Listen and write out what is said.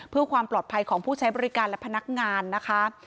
เพื่อความปลอดภัยของผู้ใช้บริการและพนักงานนะคะ